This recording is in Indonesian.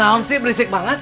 nah sih berisik banget